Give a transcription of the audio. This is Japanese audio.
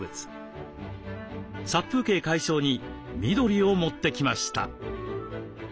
殺風景解消に緑を持ってきました。